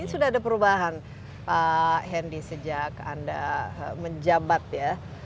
ini sudah ada perubahan pak hendy sejak anda menjabat ya